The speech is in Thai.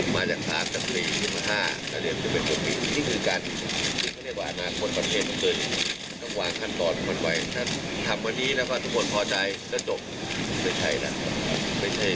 ไม่ใช่การประนาจประเทศในทางนี้